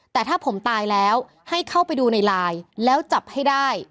แต่ถ้าผมตายแล้วให้เข้าไปดูในไลน์แล้วจับให้ได้